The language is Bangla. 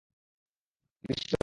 বিশ্বাসই হচ্ছে না।